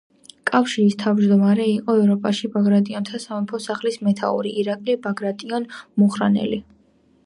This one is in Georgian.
კავშირის თავმჯდომარე იყო ევროპაში ბაგრატიონთა სამეფო სახლის მეთაური ირაკლი ბაგრატიონ-მუხრანელი.